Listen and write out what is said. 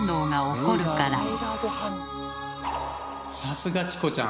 さすがチコちゃん！